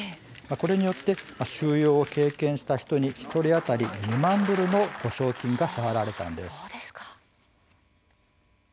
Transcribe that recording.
これによって収容を経験した人に１人当たり２万ドルの補償金が支払われたんです。